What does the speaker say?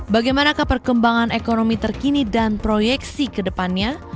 bagaimana keperkembangan ekonomi terkini dan proyeksi ke depannya